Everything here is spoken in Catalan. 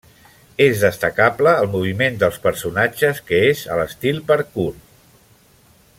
És destacable el moviment dels personatges que és a l'estil parkour.